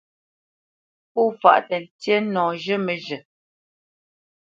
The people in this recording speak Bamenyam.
Pó fâʼ tə́ ntí nɔ zhə́ məzhə̂.